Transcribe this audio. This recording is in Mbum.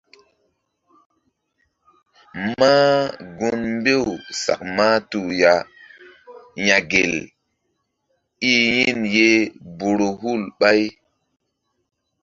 Mah gun mbew sak mahtuh ya yagel i yin ye Borohul ɓay.